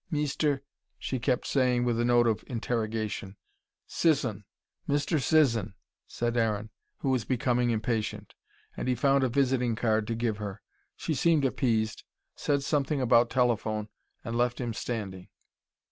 Meester ?" she kept saying, with a note of interrogation. "Sisson. Mr. Sisson," said Aaron, who was becoming impatient. And he found a visiting card to give her. She seemed appeased said something about telephone and left him standing.